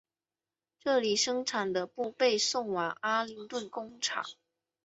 这里生产的布被送往阿灵顿工厂。